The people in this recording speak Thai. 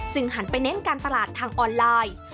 หันไปเน้นการตลาดทางออนไลน์